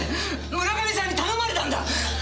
村上さんに頼まれたんだ！